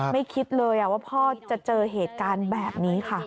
คิดเลยว่าพ่อจะเจอเหตุการณ์แบบนี้ค่ะ